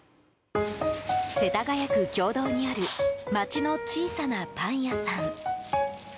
世田谷区経堂にある街の小さなパン屋さん。